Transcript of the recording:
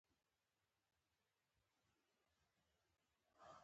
متنونه هم د صفر او یو په ترکیب ذخیره کېږي.